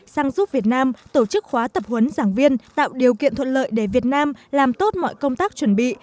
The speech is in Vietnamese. sang giúp việt nam tổ chức khóa tập huấn giảng viên tạo điều kiện thuận lợi để việt nam làm tốt mọi công tác chuẩn bị